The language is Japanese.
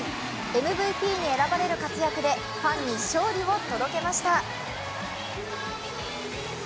ＭＶＰに選ばれる活躍でファンに勝利を届けました。